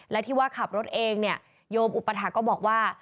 และที่ว่าขับรถเองเนี่ยโยมอุปถาก็บอกว่า